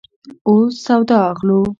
اوس سودا اخلو